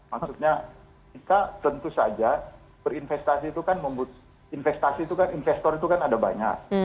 maksudnya kita tentu saja berinvestasi itu kan investor itu kan ada banyak